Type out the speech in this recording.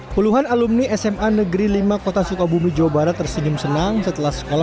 puluhan alumni sma negeri lima kota sukabumi jawa barat tersenyum senang setelah sekolah